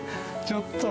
ちょっと！